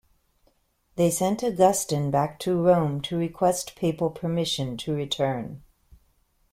They sent Augustine back to Rome to request papal permission to return.